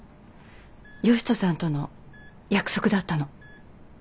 善人さんとの約束だったの。